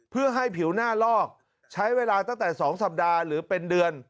เพื่อให้ผิวหน้าลอกใช้เวลาตั้งแต่๒สัปดาห์หรือเป็นเดือน